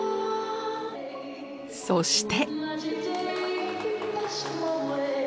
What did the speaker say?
そして